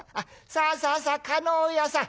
さあさあさあ叶屋さん